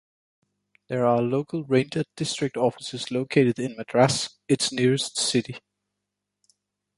There are local ranger district offices located in Madras, its nearest city.